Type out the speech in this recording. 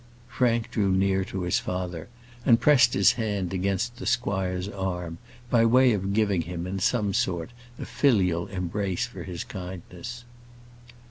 Frank drew near to his father, and pressed his hand against the squire's arm, by way of giving him, in some sort, a filial embrace for his kindness.